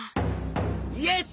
イエス！